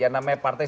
ya namanya partai